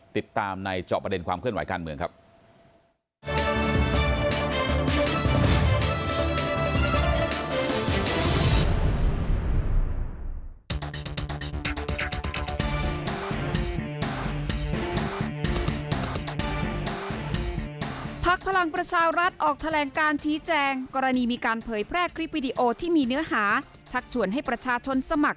ติดตามในเจาะประเด็นความเคลื่อนไหวการเมืองครับ